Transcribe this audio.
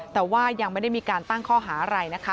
แต่ว่ายังไม่ได้มีการตั้งข้อหาอะไรนะคะ